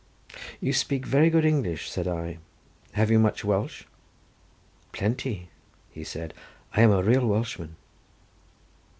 "You speak very good English," said I, "have you much Welsh?" "Plenty," said he; "I am a real Welshman."